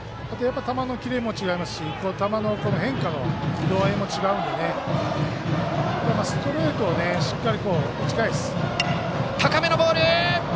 球のキレも違いますし球の変化の度合いも違うのでストレートをしっかり打ち返す。